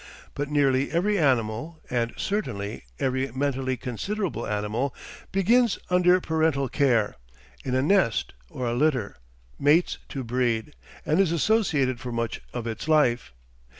But nearly every animal, and certainly every mentally considerable animal, begins under parental care, in a nest or a litter, mates to breed, and is associated for much of its life.